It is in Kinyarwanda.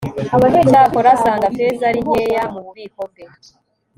cyakora asanga feza ari nkeya mu bubiko bwe